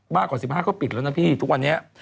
กว่า๑๕ก็ปิดแล้วนะพี่ทุกวันนี้